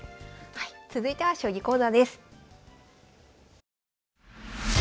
続いては将棋講座です。